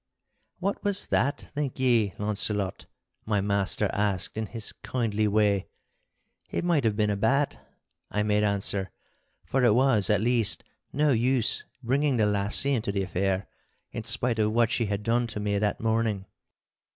'What was that, think ye, Launcelot?' my master asked in his kindly way. 'It might have been a bat,' I made answer—for it was, at least, no use bringing the lassie into the affair, in spite of what she had done to me that morning.